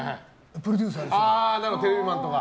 プロデューサーとか。